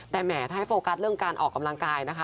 แต่แหมถ้าให้โฟกัสเรื่องการออกกำลังกายนะคะ